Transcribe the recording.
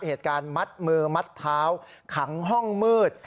เหตุการณ์มัดมือมัดเท้าขังห้องมืด